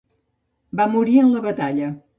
Va morir en la batalla.